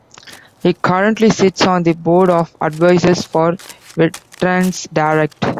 He currently sits on the board of advisors for Veterans Direct.